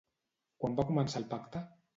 Quan va començar el pacte?